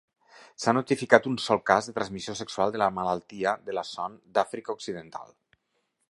S'ha notificat un sol cas de transmissió sexual de la malaltia de la son d'Àfrica occidental.